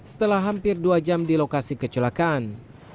setelah hampir dua jam di lokasi kecelakaan